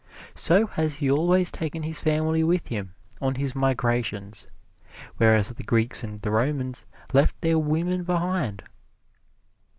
So has he always taken his family with him on his migrations; whereas the Greeks and the Romans left their women behind.